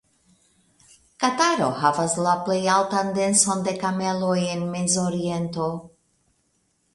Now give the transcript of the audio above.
Kataro havas la plej altan denson de kameloj en Mezoriento.